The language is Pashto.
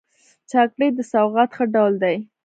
چاکلېټ د سوغات ښه ډول دی.